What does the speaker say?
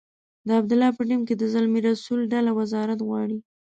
د عبدالله په ټیم کې د زلمي رسول ډله وزارت غواړي.